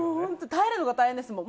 耐えるのが大変ですもん。